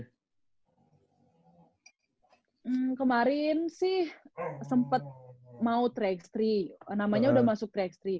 hmm kemarin sih sempat mau tiga x tiga namanya udah masuk tiga x tiga